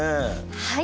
はい。